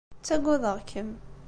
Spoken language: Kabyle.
Ttagadeɣ-kem.